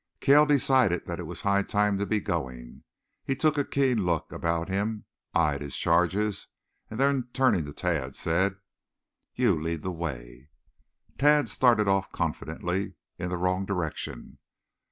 Cale decided that it was high time to be going. He took a keen look about him, eyed his charges, then turning to Tad said: "You lead the way." Tad started off confidently in the wrong direction.